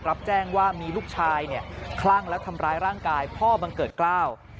รับแจ้งว่ามีลูกชายเนี่ยคลั่งและทำร้ายร่างกายพ่อบังเกิดเกล้า